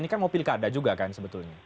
atau pilkada juga kan sebetulnya